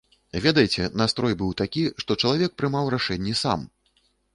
Ведаеце, настрой быў такі, што чалавек прымаў рашэнні сам.